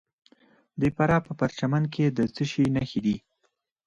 د فراه په پرچمن کې د څه شي نښې دي؟